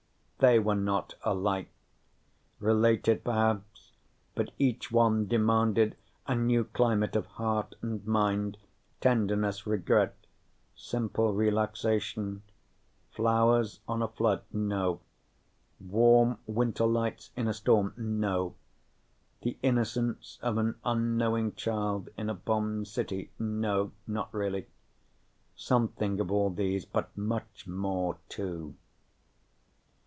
They were not alike. Related, perhaps, but each one demanded a new climate of heart and mind tenderness, regret, simple relaxation. Flowers on a flood no. Warm window lights in a storm no. The innocence of an unknowing child in a bombed city no, not really. Something of all those, but much more, too.